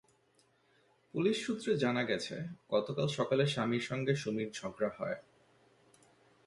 Police সূত্রে জানা গেছে, গতকাল সকালে স্বামীর সঙ্গে সুমির ঝগড়া হয়।